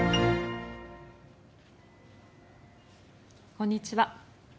こんにちは。